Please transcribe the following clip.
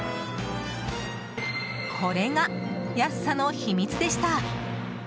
これが安さの秘密でした。